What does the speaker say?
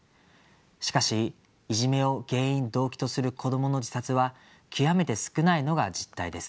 しかしいじめを原因・動機とする子どもの自殺は極めて少ないのが実態です。